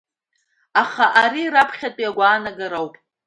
Аха ари раԥхьатәи агәаанагара ауп.